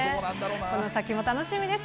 この先も楽しみです。